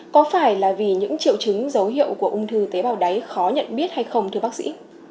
có phải là vì những triệu chứng dấu hiệu của ung thư tế bào đáy khó nhận biết hay không thưa bác sĩ